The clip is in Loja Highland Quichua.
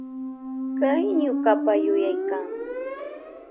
Hay ñukapa yuyaykan.